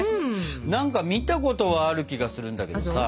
何か見たことはある気がするんだけどさ